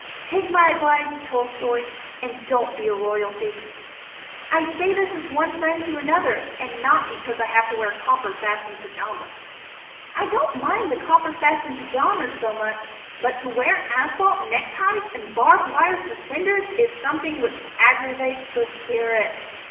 Take my advice, Tolstoi, and don't be a royalty. I say this as one friend to another and not because I have to wear copper fastened pajamas. I don't mind the copper fastened pajamas so much, but to wear asphalt neckties and barb wire suspenders is something which aggravates the spirit.